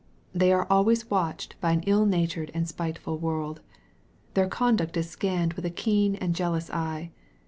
They are always watched by an ill natured and spiteful world. Their conduct is scanned with a keen and jealous eye.